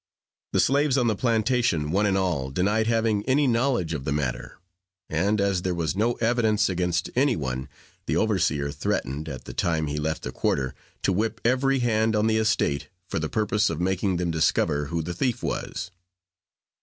The slaves on the plantation, one and all, denied having any knowledge of the matter, and, as there was no evidence against any one, the overseer threatened, at the time he left the quarter, to whip every hand on the estate, for the purpose of making them discover who the thief was.